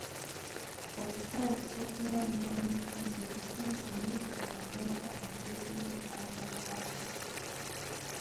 Okutandika okunoonya emikono egisemba omuntu waabwe nga abebibina abalala bwe bakoze.